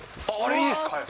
いいですか。